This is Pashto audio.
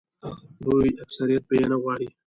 لوی اکثریت به یې نه غواړي.